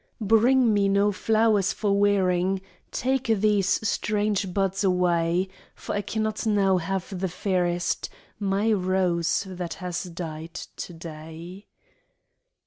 Bring me no flowers for wearing, Take these strange buds away, For I cannot now have the fairest : My rose that has died to day.